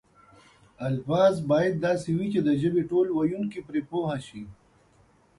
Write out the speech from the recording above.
الفاظ باید داسې وي چې د ژبې ټول ویونکي پرې پوه شي.